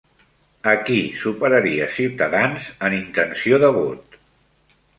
A qui superaria Ciutadans en intenció de vot?